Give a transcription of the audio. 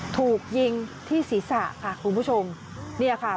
ถูกยิงที่ศีรษะค่ะคุณผู้ชมเนี่ยค่ะ